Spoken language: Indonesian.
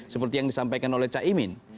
seperti yang disampaikan oleh cak imin